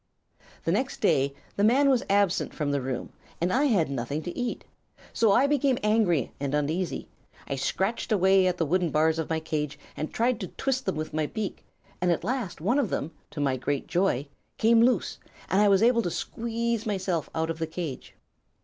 "The next day the man was absent from the room, and I had nothing to eat. So I became angry and uneasy. I scratched away at the wooden bars of my cage and tried to twist them with my beak, and at last one of them, to my great joy, came loose, and I was able to squeeze myself out of the cage.